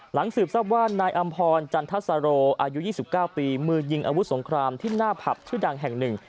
สืบทราบว่านายอำพรจันทสโรอายุ๒๙ปีมือยิงอาวุธสงครามที่หน้าผับชื่อดังแห่งหนึ่ง